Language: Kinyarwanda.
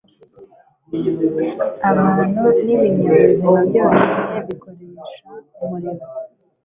Abantu nibinyabuzima byonyine bikoresha umuriro.